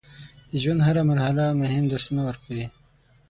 د ژوند هره مرحله مهم درسونه ورکوي.